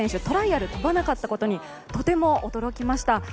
トライアル飛ばなかったことにとても驚きました。